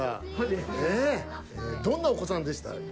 どんなお子さんでした？